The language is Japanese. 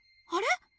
あれ？